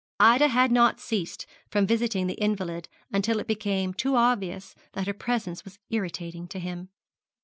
Ida had not ceased from visiting the invalid until it became too obvious that her presence was irritating to him.